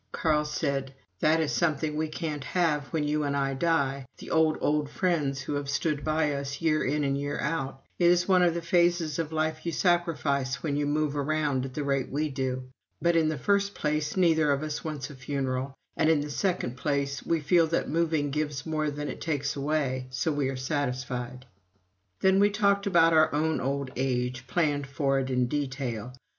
Carl said: "That is something we can't have when you and I die the old, old friends who have stood by us year in and year out. It is one of the phases of life you sacrifice when you move around at the rate we do. But in the first place, neither of us wants a funeral, and in the second place, we feel that moving gives more than it takes away so we are satisfied." Then we talked about our own old age planned it in detail.